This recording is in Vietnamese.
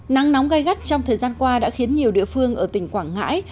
nắng nóng gai gắt trong thời gian qua đã khiến nhiều địa phương ở tỉnh quảng ngãi